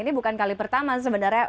ini bukan kali pertama sebenarnya